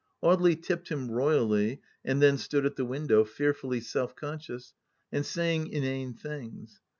... Audely tipped him royally, and then stood at the win dow, fearfully self conscious — and saying inane things.